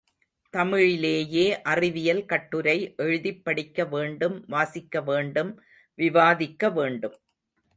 தமிழிலேயே அறிவியல் கட்டுரை எழுதிப் படிக்கவேண்டும் வாசிக்கவேண்டும் விவாதிக்க வேண்டும்.